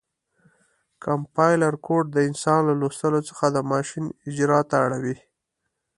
کمپایلر کوډ د انسان له لوستلو څخه د ماشین اجرا ته اړوي.